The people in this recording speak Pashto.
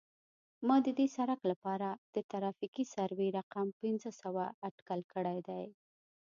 ما د دې سرک لپاره د ترافیکي سروې رقم پنځه سوه اټکل کړی دی